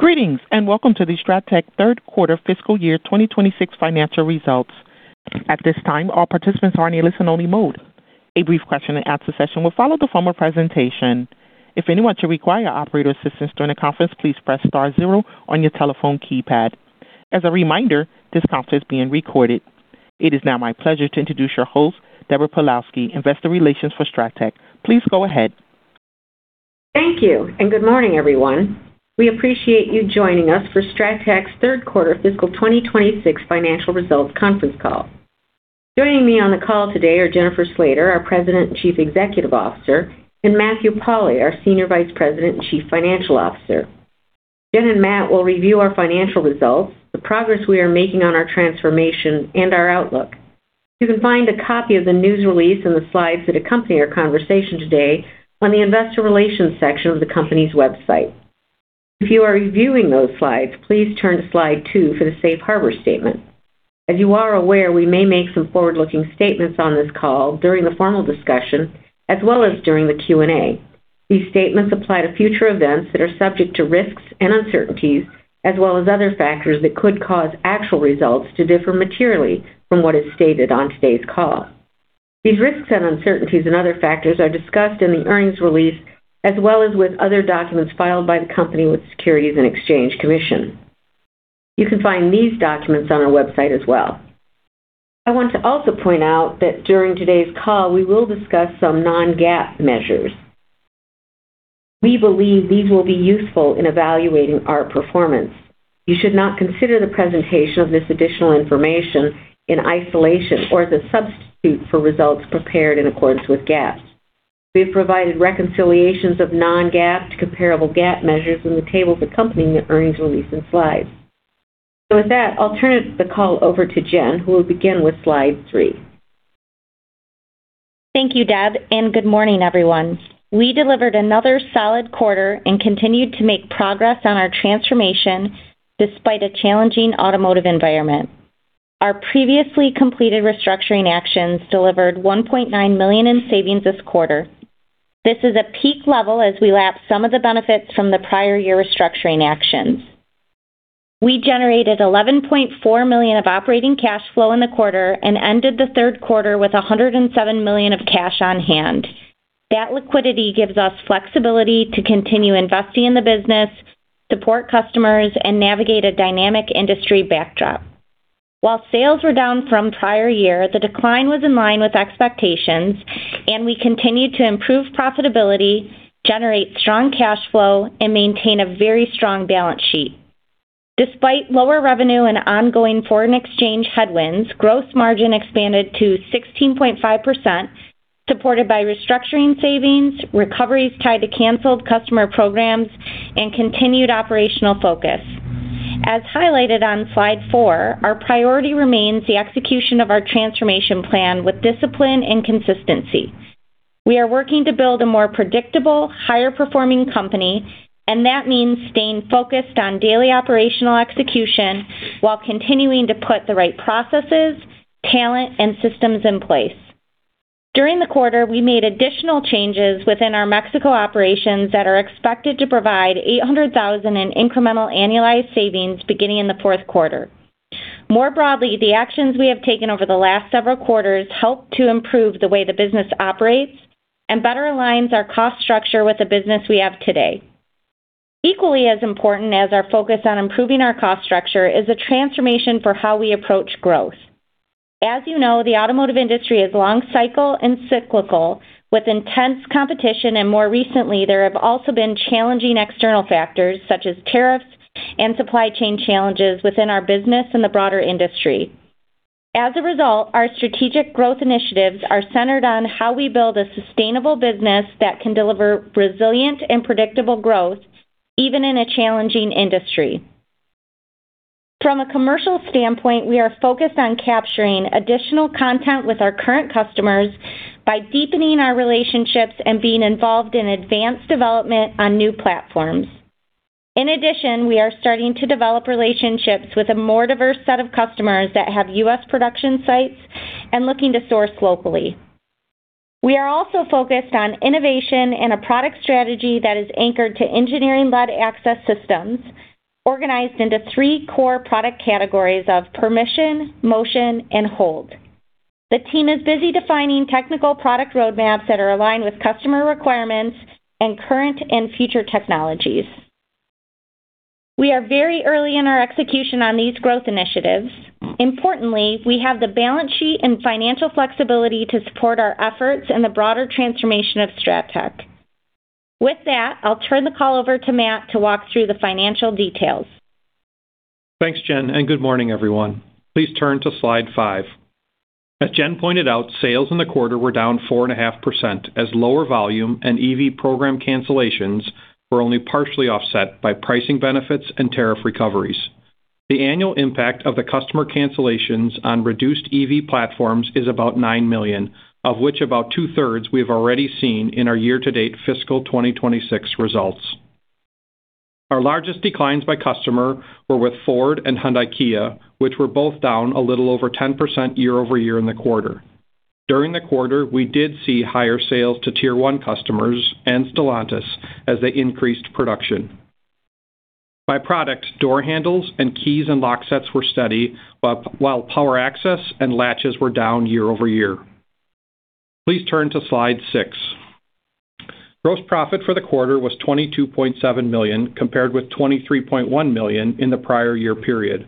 Greetings, and welcome to the Strattec Third Quarter Fiscal Year 2026 Financial Results. At this time, all participants are in a listen-only mode. A brief question and answer session will follow the formal presentation. If anyone should require operator assistance during the conference, please press star zero on your telephone keypad. As a reminder, this conference is being recorded. It is now my pleasure to introduce your host, Deborah Pawlowski, Investor Relations for Strattec. Please go ahead. Thank you, and good morning, everyone. We appreciate you joining us for Strattec's third quarter fiscal 2026 financial results conference call. Joining me on the call today are Jennifer Slater, our President and Chief Executive Officer, and Matthew Pauli, our Senior Vice President and Chief Financial Officer. Jen and Matt will review our financial results, the progress we are making on our transformation, and our outlook. You can find a copy of the news release and the slides that accompany our conversation today on the Investor Relations section of the company's website. If you are reviewing those slides, please turn to slide two for the Safe Harbor statement. As you are aware, we may make some forward-looking statements on this call during the formal discussion, as well as during the Q&A. These statements apply to future events that are subject to risks and uncertainties, as well as other factors that could cause actual results to differ materially from what is stated on today's call. These risks and uncertainties and other factors are discussed in the earnings release, as well as with other documents filed by the company with Securities and Exchange Commission. You can find these documents on our website as well. I want to also point out that during today's call, we will discuss some non-GAAP measures. We believe these will be useful in evaluating our performance. You should not consider the presentation of this additional information in isolation or as a substitute for results prepared in accordance with GAAP. We have provided reconciliations of non-GAAP to comparable GAAP measures in the tables accompanying the earnings release and slides. With that, I'll turn the call over to Jen, who will begin with slide three. Thank you, Deb. Good morning, everyone. We delivered another solid quarter and continued to make progress on our transformation despite a challenging automotive environment. Our previously completed restructuring actions delivered $1.9 million in savings this quarter. This is a peak level as we lap some of the benefits from the prior year restructuring actions. We generated $11.4 million of operating cash flow in the quarter and ended the third quarter with $107 million of cash on hand. That liquidity gives us flexibility to continue investing in the business, support customers, and navigate a dynamic industry backdrop. While sales were down from prior year, the decline was in line with expectations, and we continued to improve profitability, generate strong cash flow, and maintain a very strong balance sheet. Despite lower revenue and ongoing foreign exchange headwinds, gross margin expanded to 16.5%, supported by restructuring savings, recoveries tied to canceled customer programs, and continued operational focus. As highlighted on slide four, our priority remains the execution of our transformation plan with discipline and consistency. We are working to build a more predictable, higher-performing company, and that means staying focused on daily operational execution while continuing to put the right processes, talent, and systems in place. During the quarter, we made additional changes within our Mexico operations that are expected to provide $800,000 in incremental annualized savings beginning in the fourth quarter. More broadly, the actions we have taken over the last several quarters help to improve the way the business operates and better aligns our cost structure with the business we have today. Equally as important as our focus on improving our cost structure is a transformation for how we approach growth. As you know, the automotive industry is long cycle and cyclical with intense competition, and more recently, there have also been challenging external factors, such as tariffs and supply chain challenges within our business and the broader industry. As a result, our strategic growth initiatives are centered on how we build a sustainable business that can deliver resilient and predictable growth even in a challenging industry. From a commercial standpoint, we are focused on capturing additional content with our current customers by deepening our relationships and being involved in advanced development on new platforms. In addition, we are starting to develop relationships with a more diverse set of customers that have U.S. production sites and looking to source locally. We are also focused on innovation and a product strategy that is anchored to engineering-led access systems organized into three core product categories of permission, motion, and hold. The team is busy defining technical product roadmaps that are aligned with customer requirements and current and future technologies. We are very early in our execution on these growth initiatives. Importantly, we have the balance sheet and financial flexibility to support our efforts and the broader transformation of Strattec. With that, I'll turn the call over to Matthew to walk through the financial details. Thanks, Jen, good morning, everyone. Please turn to slide five. As Jen pointed out, sales in the quarter were down 4.5% as lower volume and EV program cancellations were only partially offset by pricing benefits and tariff recoveries. The annual impact of the customer cancellations on reduced EV platforms is about $9 million, of which about two-thirds we have already seen in our year-to-date fiscal 2026 results. Our largest declines by customer were with Ford and Hyundai Kia, which were both down a little over 10% year-over-year in the quarter. During the quarter, we did see higher sales to Tier 1 customers and Stellantis as they increased production. By product, door handles and keys and locksets were steady, while power access and latches were down year-over-year. Please turn to slide six. Gross profit for the quarter was $22.7 million, compared with $23.1 million in the prior year period.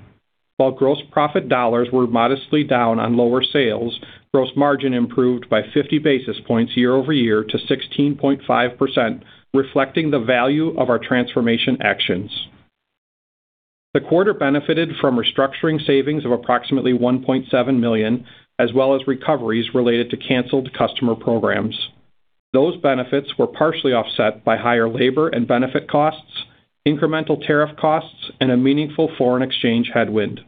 While gross profit dollars were modestly down on lower sales, gross margin improved by 50 basis points year-over-year to 16.5%, reflecting the value of our transformation actions. The quarter benefited from restructuring savings of approximately $1.7 million, as well as recoveries related to canceled customer programs. Those benefits were partially offset by higher labor and benefit costs, incremental tariff costs, and a meaningful foreign exchange headwind.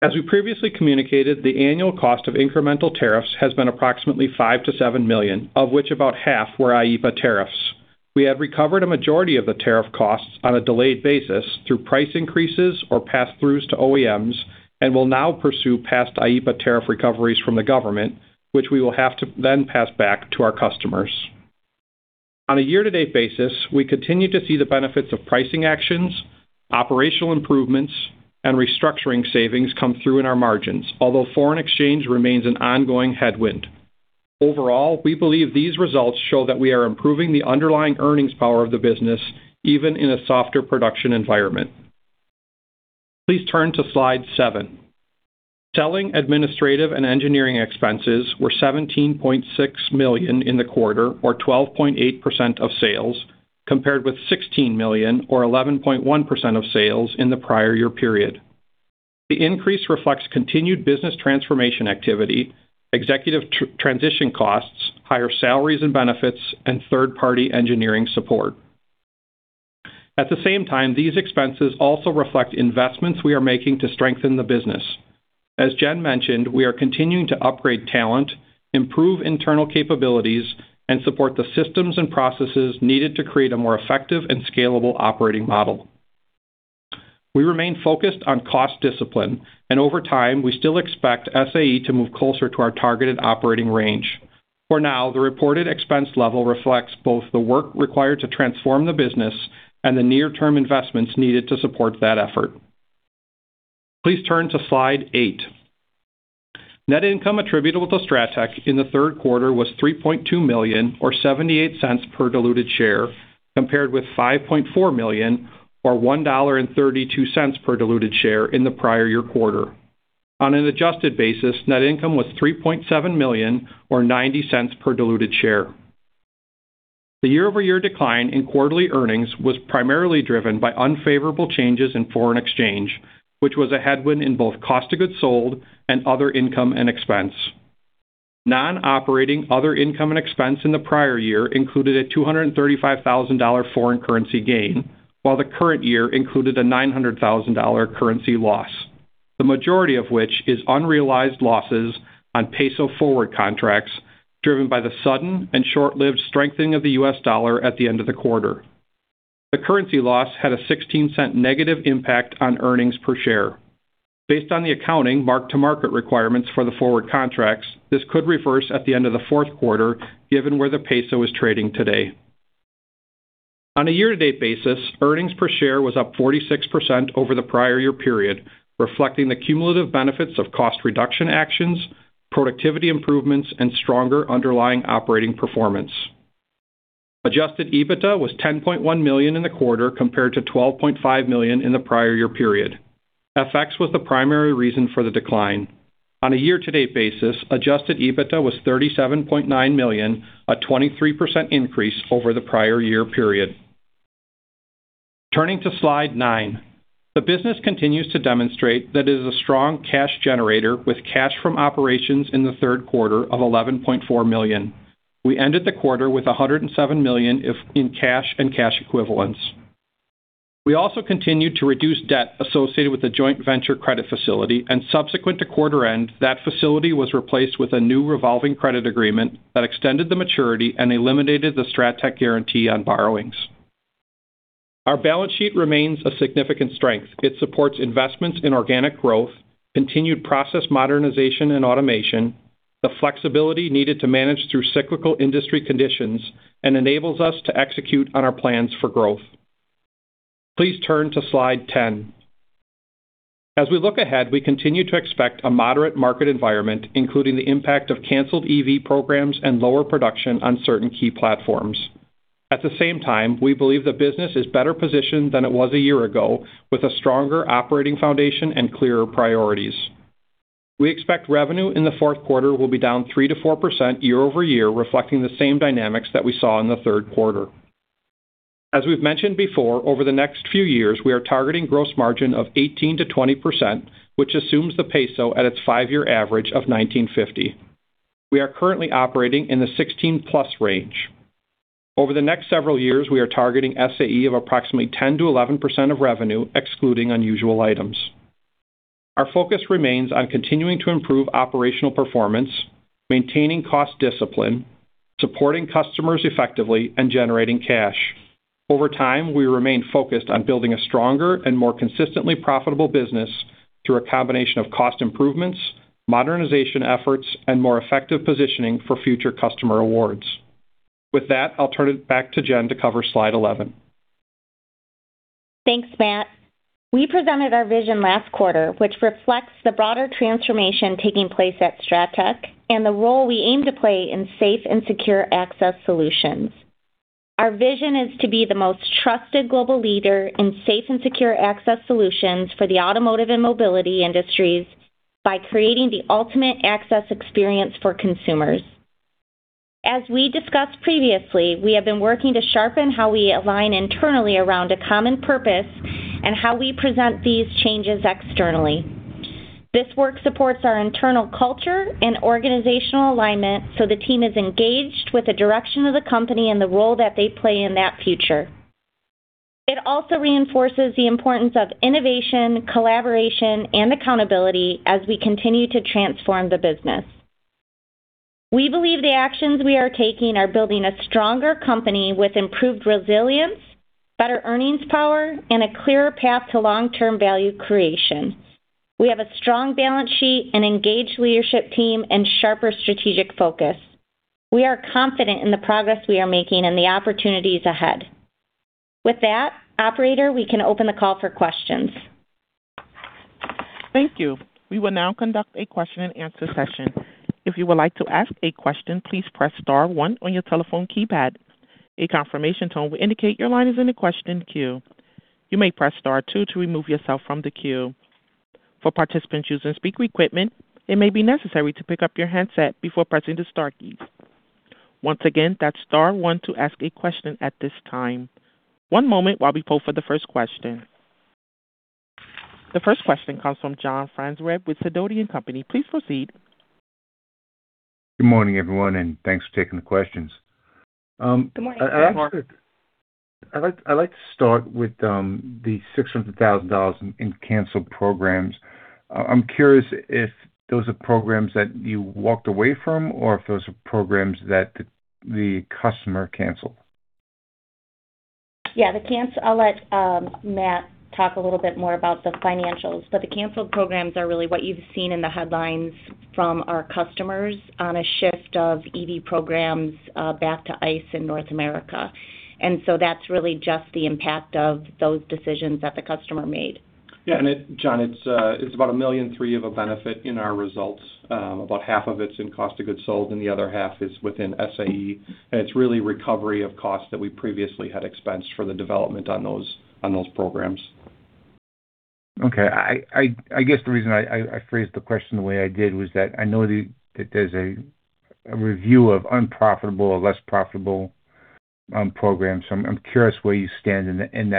As we previously communicated, the annual cost of incremental tariffs has been approximately $5 million-$7 million, of which about half were IEEPA tariffs. We have recovered a majority of the tariff costs on a delayed basis through price increases or passthroughs to OEMs and will now pursue past IEEPA tariff recoveries from the government, which we will have to then pass back to our customers. On a year-to-date basis, we continue to see the benefits of pricing actions, operational improvements, and restructuring savings come through in our margins, although foreign exchange remains an ongoing headwind. Overall, we believe these results show that we are improving the underlying earnings power of the business, even in a softer production environment. Please turn to slide seven. Selling administrative and engineering expenses were $17.6 million in the quarter, or 12.8% of sales, compared with $16 million or 11.1% of sales in the prior year period. The increase reflects continued business transformation activity, executive transition costs, higher salaries and benefits, and third-party engineering support. At the same time, these expenses also reflect investments we are making to strengthen the business. As Jen mentioned, we are continuing to upgrade talent, improve internal capabilities, and support the systems and processes needed to create a more effective and scalable operating model. We remain focused on cost discipline, and over time, we still expect SAE to move closer to our targeted operating range. For now, the reported expense level reflects both the work required to transform the business and the near-term investments needed to support that effort. Please turn to slide eight. Net income attributable to Strattec in the third quarter was $3.2 million or $0.78 per diluted share, compared with $5.4 million or $1.32 per diluted share in the prior year quarter. On an adjusted basis, net income was $3.7 million or $0.90 per diluted share. The year-over-year decline in quarterly earnings was primarily driven by unfavorable changes in foreign exchange, which was a headwind in both cost of goods sold and other income and expense. Non-operating other income and expense in the prior year included a $235,000 foreign currency gain, while the current year included a $900,000 currency loss, the majority of which is unrealized losses on peso forward contracts driven by the sudden and short-lived strengthening of the U.S. dollar at the end of the quarter. The currency loss had a $0.16 negative impact on earnings per share. Based on the accounting mark-to-market requirements for the forward contracts, this could reverse at the end of the fourth quarter, given where the peso is trading today. On a year-to-date basis, earnings per share was up 46% over the prior year period, reflecting the cumulative benefits of cost reduction actions, productivity improvements, and stronger underlying operating performance. Adjusted EBITDA was $10.1 million in the quarter compared to $12.5 million in the prior year period. FX was the primary reason for the decline. On a year-to-date basis, Adjusted EBITDA was $37.9 million, a 23% increase over the prior year period. Turning to slide nine. The business continues to demonstrate that it is a strong cash generator with cash from operations in the third quarter of $11.4 million. We ended the quarter with $107 million in cash and cash equivalents. We also continued to reduce debt associated with the joint venture credit facility, and subsequent to quarter end, that facility was replaced with a new revolving credit agreement that extended the maturity and eliminated the Strattec guarantee on borrowings. Our balance sheet remains a significant strength. It supports investments in organic growth, continued process modernization and automation, the flexibility needed to manage through cyclical industry conditions, and enables us to execute on our plans for growth. Please turn to slide 10. As we look ahead, we continue to expect a moderate market environment, including the impact of canceled EV programs and lower production on certain key platforms. At the same time, we believe the business is better positioned than it was a year ago with a stronger operating foundation and clearer priorities. We expect revenue in the fourth quarter will be down 3%-4% year-over-year, reflecting the same dynamics that we saw in the third quarter. As we've mentioned before, over the next few years, we are targeting gross margin of 18%-20%, which assumes the peso at its five-year average of 19.50. We are currently operating in the 16%+ range. Over the next several years, we are targeting SAE of approximately 10%-11% of revenue, excluding unusual items. Our focus remains on continuing to improve operational performance, maintaining cost discipline, supporting customers effectively, and generating cash. Over time, we remain focused on building a stronger and more consistently profitable business through a combination of cost improvements, modernization efforts, and more effective positioning for future customer awards. With that, I'll turn it back to Jen to cover slide 11. Thanks, Matt. We presented our vision last quarter, which reflects the broader transformation taking place at Strattec and the role we aim to play in safe and secure access solutions. Our vision is to be the most trusted global leader in safe and secure access solutions for the automotive and mobility industries by creating the ultimate access experience for consumers. As we discussed previously, we have been working to sharpen how we align internally around a common purpose and how we present these changes externally. This work supports our internal culture and organizational alignment so the team is engaged with the direction of the company and the role that they play in that future. It also reinforces the importance of innovation, collaboration, and accountability as we continue to transform the business. We believe the actions we are taking are building a stronger company with improved resilience, better earnings power, and a clearer path to long-term value creation. We have a strong balance sheet, an engaged leadership team, and sharper strategic focus. We are confident in the progress we are making and the opportunities ahead. With that, operator, we can open the call for questions. Thank you. We will now conduct a question and answer session. If you would like to ask a question, please press star one on your telephone keypad. A confirmation tone will indicate your line is in the question queue. You may press star two to remove yourself from the queue. For participants using speaker equipment, it may be necessary to pick up your handset before pressing the star keys. Once again, that's star one to ask a question at this time. One moment while we poll for the first question. The first question comes from John Franzreb with Sidoti & Company. Please proceed. Good morning, everyone, and thanks for taking the questions. Good morning, John. I'd actually I'd like to start with, the $600,000 in canceled programs. I'm curious if those are programs that you walked away from, or if those are programs that the customer canceled. Yeah, I'll let Matt talk a little bit more about the financials, but the canceled programs are really what you've seen in the headlines from our customers on a shift of EV programs back to ICE in North America. That's really just the impact of those decisions that the customer made. Yeah. John, it's about $1.3 million of a benefit in our results. About half of it's in cost of goods sold, the other half is within SAE. It's really recovery of costs that we previously had expensed for the development on those programs. Okay. I guess the reason I phrased the question the way I did was that I know that there's a review of unprofitable or less profitable programs. I'm curious where you stand in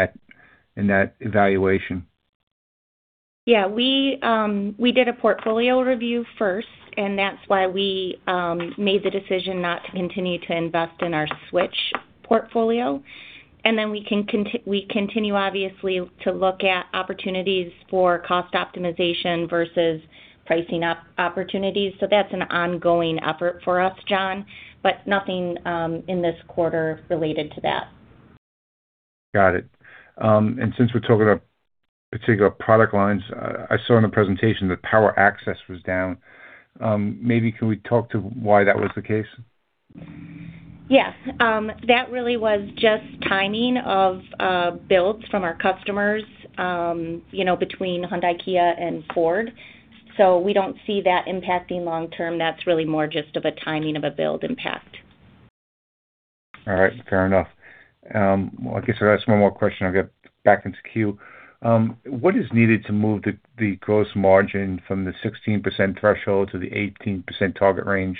that evaluation. Yeah. We did a portfolio review first, and that's why we made the decision not to continue to invest in our switch portfolio. We continue, obviously, to look at opportunities for cost optimization versus pricing opportunities. That's an ongoing effort for us, John, but nothing in this quarter related to that. Got it. Since we're talking about particular product lines, I saw in the presentation that power access was down. Maybe can we talk to why that was the case? Yes. That really was just timing of builds from our customers, you know, between Hyundai-Kia and Ford. We don't see that impacting long term. That's really more just of a timing of a build impact. All right, fair enough. I guess I'll ask one more question, I'll get back into queue. What is needed to move the gross margin from the 16% threshold to the 18% target range?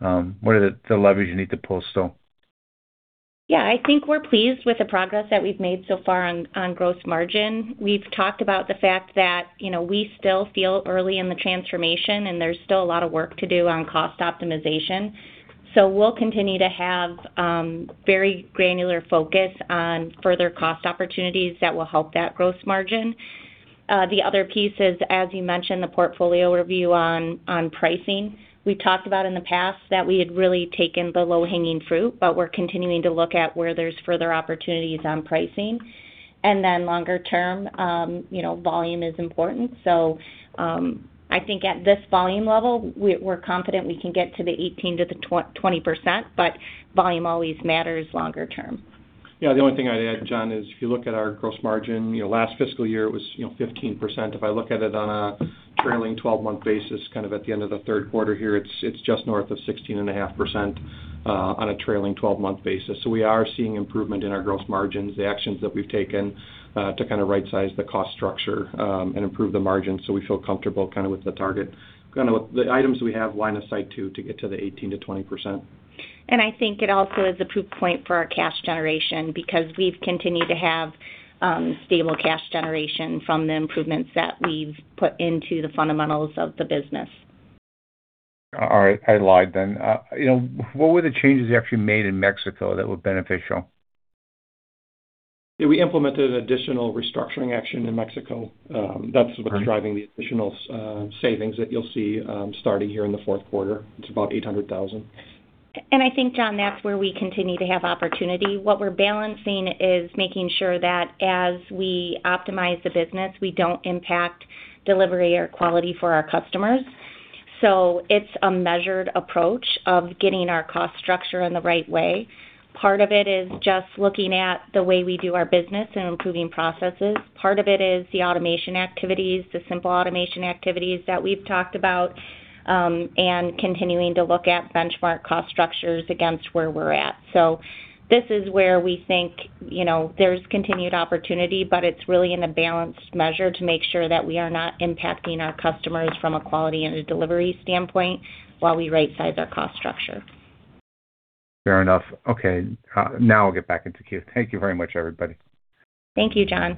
What are the levers you need to pull still? Yeah. I think we're pleased with the progress that we've made so far on gross margin. We've talked about the fact that, you know, we still feel early in the transformation, and there's still a lot of work to do on cost optimization. We'll continue to have very granular focus on further cost opportunities that will help that gross margin. The other piece is, as you mentioned, the portfolio review on pricing. We talked about in the past that we had really taken the low-hanging fruit, but we're continuing to look at where there's further opportunities on pricing. Longer term, you know, volume is important. I think at this volume level, we're confident we can get to the 18%-20%, but volume always matters longer term. Yeah. The only thing I'd add, John, is if you look at our gross margin, you know, last fiscal year it was, you know, 15%. If I look at it on a trailing 12-month basis, kind of at the end of the third quarter here, it's just north of 16.5% on a trailing 12-month basis. We are seeing improvement in our gross margins, the actions that we've taken to kind of right-size the cost structure and improve the margin. We feel comfortable kind of with the target, kind of the items we have line of sight to get to the 18%-20%. I think it also is a proof point for our cash generation because we've continued to have stable cash generation from the improvements that we've put into the fundamentals of the business. All right. I lied then. You know, what were the changes you actually made in Mexico that were beneficial? We implemented additional restructuring action in Mexico. That's what's driving the additional savings that you'll see starting here in the fourth quarter. It's about $800,000. I think, John, that's where we continue to have opportunity. What we're balancing is making sure that as we optimize the business, we don't impact delivery or quality for our customers. It's a measured approach of getting our cost structure in the right way. Part of it is just looking at the way we do our business and improving processes. Part of it is the automation activities, the simple automation activities that we've talked about, and continuing to look at benchmark cost structures against where we're at. This is where we think, you know, there's continued opportunity, but it's really in a balanced measure to make sure that we are not impacting our customers from a quality and a delivery standpoint while we right-size our cost structure. Fair enough. Now I'll get back into queue. Thank you very much, everybody. Thank you, John.